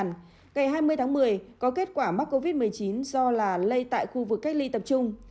ngày hai mươi tháng một mươi có kết quả mắc covid một mươi chín do là lây tại khu vực cách ly tập trung